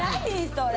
それ！